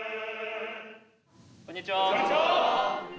こんにちは。